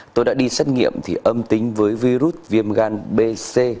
tôi đã đi xét nghiệm thì âm tính với virus viêm gan bc